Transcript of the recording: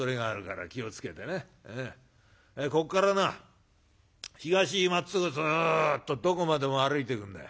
こっからな東へまっつぐずっとどこまでも歩いていくんだい。